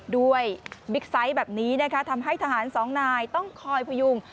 บิ๊กไซต์แบบนี้นะคะทำให้ทหารสองนายต้องคอยพยุง